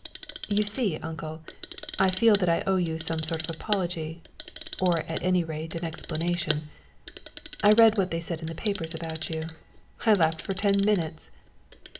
"You see, uncle, I feel that I owe you some sort of apology, or at any rate an explanation. I read what they said in the papers about you. I laughed for ten minutes."